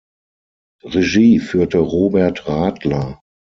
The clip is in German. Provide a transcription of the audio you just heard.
Regie führte Robert Radler.